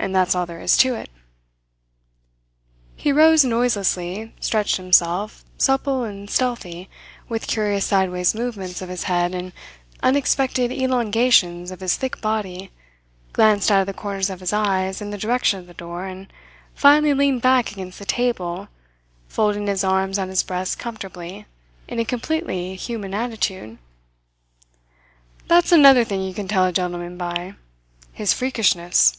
And that's all there is to it." He rose noiselessly, stretched himself, supple and stealthy, with curious sideways movements of his head and unexpected elongations of his thick body, glanced out of the corners of his eyes in the direction of the door, and finally leaned back against the table, folding his arms on his breast comfortably, in a completely human attitude. "That's another thing you can tell a gentleman by his freakishness.